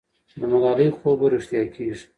د ملالۍ خوب به رښتیا کېږي.